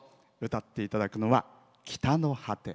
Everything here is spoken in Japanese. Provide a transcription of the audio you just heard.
歌っていただくのは「北の果て」